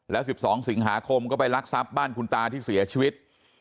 แล้ว๑๒สิงหาคมก็ไปรักทรัพย์บ้านคุณตาที่เสียชีวิต